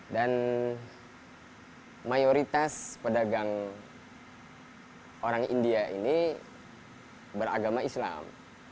dan mayoritas pedagang orang india ini beragama islam